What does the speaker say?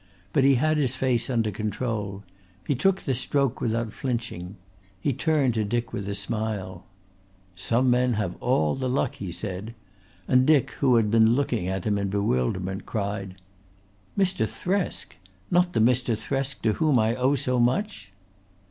But he had his face under control. He took the stroke without flinching. He turned to Dick with a smile. "Some men have all the luck," he said, and Dick, who had been looking at him in bewilderment, cried: "Mr. Thresk? Not the Mr. Thresk to whom I owe so much?"